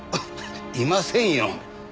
いませんよ。